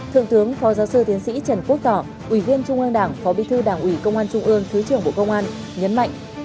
thượng tướng phó giáo sư tiến sĩ trần quốc tỏ ủy viên trung ương đảng phó bí thư đảng ủy công an trung ương thứ trưởng bộ công an nhấn mạnh